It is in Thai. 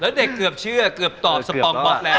แล้วเด็กเกือบเชื่อเกือบตอบสปองป๊อกแล้ว